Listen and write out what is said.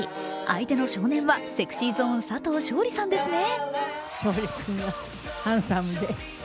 相手の少年はＳｅｘｙＺｏｎｅ・佐藤勝利さんですね。